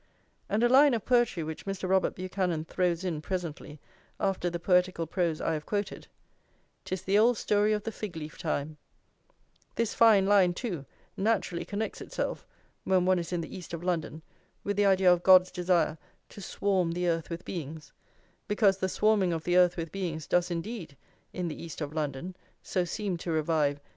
And a line of poetry which Mr. Robert Buchanan throws in presently after the poetical prose I have quoted: 'Tis the old story of the fig leaf time this fine line, too, naturally connects itself, when one is in the East of London, with the idea of God's desire to swarm the earth with beings; because the swarming of the earth with beings does indeed, in the East of London, so seem to revive